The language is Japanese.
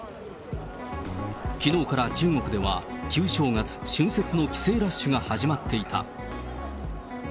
きのうから中国では、旧正月・春節の帰省ラッシュが始まっていた。